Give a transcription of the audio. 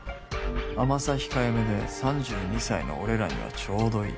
甘さ控えめで３２歳の俺らにはちょうどいい。